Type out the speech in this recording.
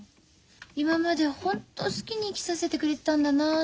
今までホント好きに生きさせてくれてたんだなって。